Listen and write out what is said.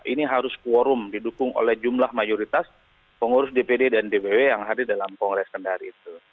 ini harus quorum didukung oleh jumlah mayoritas pengurus dpd dan dpw yang hadir dalam kongres kendari itu